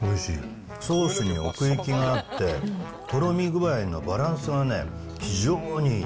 ソースに奥行きがあって、とろみ具合のバランスがね、非常にいい。